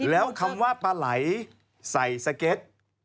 แล้วคำว่าปลาไหลใส่สเก็ต